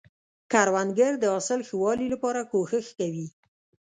کروندګر د حاصل ښه والي لپاره کوښښ کوي